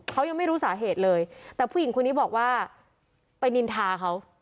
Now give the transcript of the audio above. เขายังไม่รู้สาเหตุเลยแต่ผู้หญิงคนนี้บอกว่าไปนินทาเขา